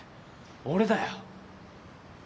俺だよ。